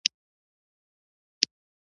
ما د خبرو په جریان کې ټوټې ټوټې کړ.